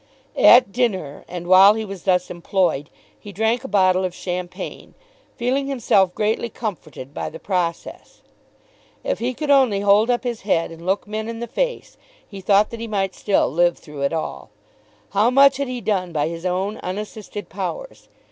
At dinner, and while he was thus employed, he drank a bottle of champagne, feeling himself greatly comforted by the process. If he could only hold up his head and look men in the face, he thought that he might still live through it all. How much had he done by his own unassisted powers!